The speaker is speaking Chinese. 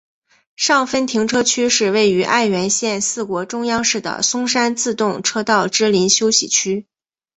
上分停车区是位于爱媛县四国中央市的松山自动车道之休息区。